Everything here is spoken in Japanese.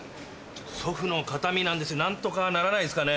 祖父の形見なんです何とかならないですかね？